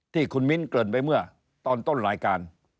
ที่คุณมิ้นเกริ่นไปเมื่อตอนต้นรายการ